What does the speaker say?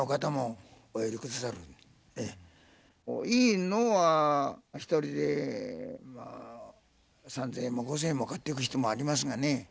いいのは１人でまあ３，０００円も５，０００円も買ってく人もありますがね。